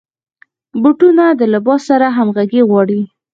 بوټونه د لباس سره همغږي غواړي.